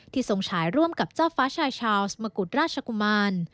ทรงฉายร่วมกับเจ้าฟ้าชายชาวสมกุฎราชกุมาร